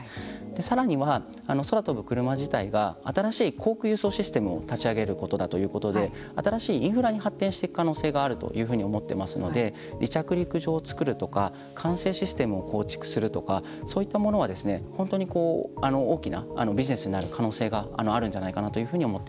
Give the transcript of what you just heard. さらには、空飛ぶクルマ自体が新しい航空輸送システムを立ち上げるということで新しいインフラに発展していく可能性があるというふうに思っていますので離着陸場を作るとか管制システムを構築するとかそういったものを本当に大きなビジネスになる可能性があるんじゃないかな